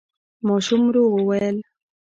ماشوم ورو وويل: